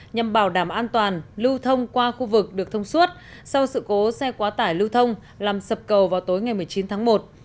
nhằm bảo đảm an toàn lưu thông qua khu vực được thông suốt sau sự cố xe quá tải lưu thông làm sập cầu vào tối ngày một mươi chín tháng một